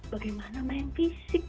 bagaimana main fisik